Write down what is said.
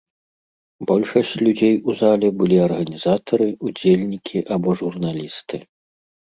Большасць людзей у зале былі арганізатары, удзельнікі або журналісты.